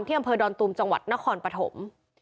อำเภอดอนตุมจังหวัดนครปฐม